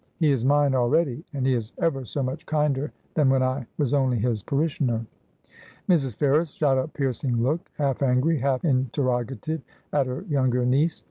' He is mine already, and he is ever so much kinder than when I was only his parishioner.' Mrs. Ferrers shot a piercing look, half angry, half interroga tive, at her younger niece.